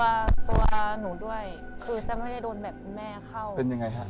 ตัวตัวหนูด้วยคือจะไม่ได้โดนแบบแม่เข้าเป็นยังไงฮะ